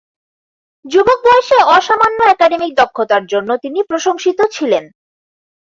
যুবক বয়সে অসামান্য একাডেমিক দক্ষতার জন্য তিনি প্রশংসিত ছিলেন।